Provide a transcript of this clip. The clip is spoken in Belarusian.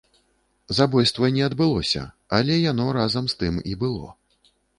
Забойства не адбылося, але яно, разам з тым, і было.